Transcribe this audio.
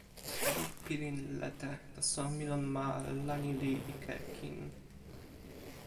mi pilin lete. taso mi lon ma, la ni li ike kin.